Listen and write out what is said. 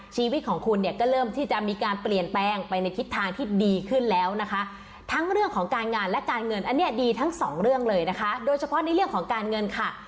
ชีวิตของคุณเนี่ยก็เริ่มที่จะมีการเปลี่ยนแปลงไปในทิศทางที่ดีขึ้นแล้วนะคะทั้งเรื่องของการงานและการเงินอันนี้ดีทั้งสองเรื่องเลยนะคะโดยเฉพาะในเรื่องของการเงินค่ะ